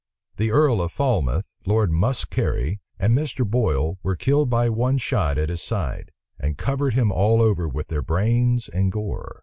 The earl of Falmouth, Lord Muskerry, and Mr. Boyle, were killed by one shot at his side, and covered him all over with their brains and gore.